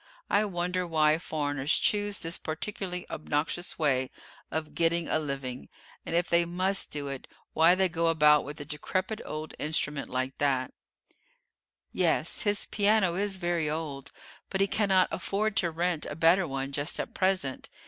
I wonder why foreigners choose this particularly obnoxious way of getting a living; and, if they must do it, why they go about with a decrepit old instrument like that." "Yes, his piano is very old, but he cannot afford to rent a better one just at present.